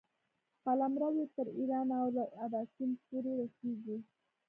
قلمرو یې تر ایرانه او له اباسین پورې رسېږي.